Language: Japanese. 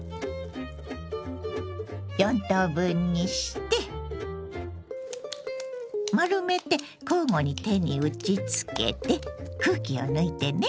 ４等分にして丸めて交互に手に打ちつけて空気を抜いてね。